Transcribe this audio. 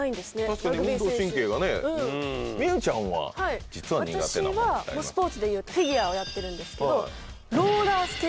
私はスポーツでいうとフィギュアをやってるんですけど。